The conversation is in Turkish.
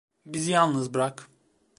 Bizi yalnız bırak.